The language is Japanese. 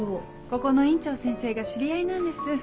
ここの院長先生が知り合いなんです。